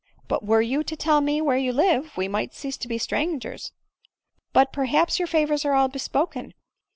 " But were you td tell me where you live, we might cease to be strangers ; but, perhaps your favors are all bespoken.